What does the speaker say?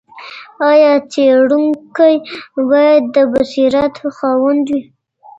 ایا څېړونکی باید د بصیرت خاوند وي؟